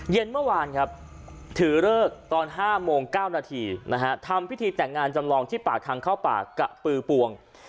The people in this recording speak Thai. เย็นเมื่อวานครับถือเลิกตอน๕โมง๙นาทีนะฮะทำพิธีแต่งงานจำลองที่ปากทางเข้าป่ากะปือปวง